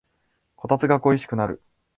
こたつが恋しくなる